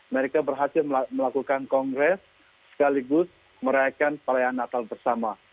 mereka berhasil melakukan kongres sekaligus merayakan perayaan natal bersama